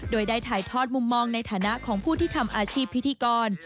โดยได้ถ่ายทอดมุมมองในฐานะของผู้ที่ทำอาชีพพิธีกร